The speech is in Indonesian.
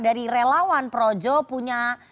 dari relawan projo punya